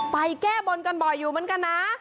แก้บนกันบ่อยอยู่เหมือนกันนะ